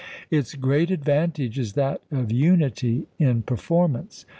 Its great advantage is that of unity in performance.